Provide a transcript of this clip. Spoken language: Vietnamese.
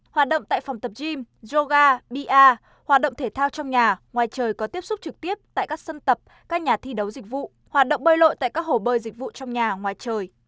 hoạt động tại phòng tập gym yoga ba hoạt động thể thao trong nhà ngoài trời có tiếp xúc trực tiếp tại các sân tập các nhà thi đấu dịch vụ hoạt động bơi lội tại các hồ bơi dịch vụ trong nhà ngoài trời